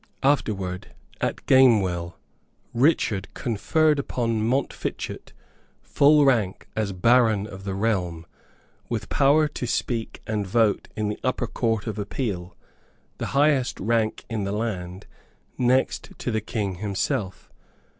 Afterward, at Gamewell, Richard conferred upon Montfichet full rank as Baron of the Realm, with power to speak and vote in the Upper Court of Appeal, the highest rank in the land, next to the King himself.